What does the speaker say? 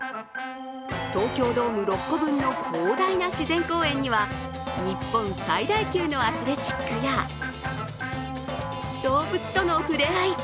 東京ドーム６個分の広大な自然公園には日本最大級のアスレチックや動物との触れ合い